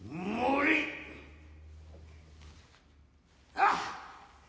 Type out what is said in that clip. あっ。